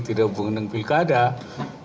tidak hubungannya dengan pihak adat